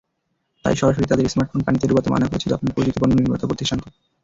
তাই সরাসরি তাদের স্মার্টফোন পানিতে ডোবাতে মানা করেছে জাপানের প্রযুক্তিপণ্য নির্মাতা প্রতিষ্ঠানটি।